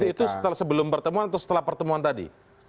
itu setelah sebelum pertemuan atau setelah pertemuan tadi